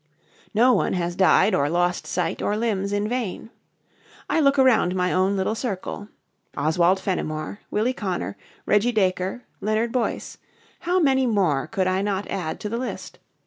No one has died or lost sight or limbs in vain. I look around my own little circle. Oswald Fenimore, Willie Connor, Reggie Dacre, Leonard Boyce how many more could I not add to the list?